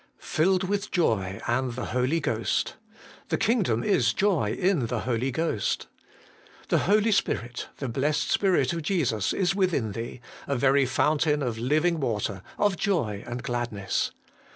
3. 'Filled with joy and the Holy Ghost,' 'The Kingdom Is Joy In the Holy Ghost. ' The Holy Spirit, the Blessed Spirit of Jesus is within thee, a very fountain of living water, of joy and gladness.